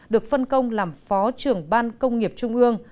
được phân công làm phó trưởng ban công nghiệp trung ương